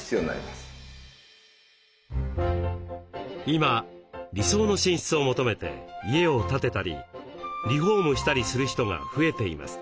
今理想の寝室を求めて家を建てたりリフォームしたりする人が増えています。